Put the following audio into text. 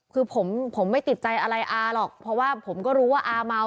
คือผมผมไม่ติดใจอะไรอาหรอกเพราะว่าผมก็รู้ว่าอาเมา